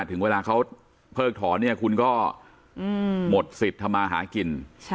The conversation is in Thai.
ถึงเวลาเขาเพิกถอนเนี่ยคุณก็หมดสิทธิ์ทำมาหากิน